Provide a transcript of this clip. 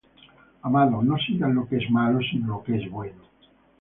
Amado, no sigas lo que es malo, sino lo que es bueno.